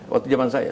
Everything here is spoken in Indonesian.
waktu zaman saya